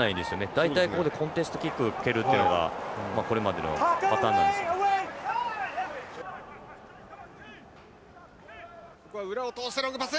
大体ここでコンテンスキックを蹴るというのがこれまでのパターン裏を通してロングパス。